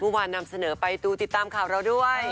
เมื่อวานนำเสนอไปตู้ติดตามข่าวเราด้วย